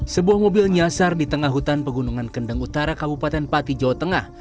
sebuah mobil nyasar di tengah hutan pegunungan kendeng utara kabupaten pati jawa tengah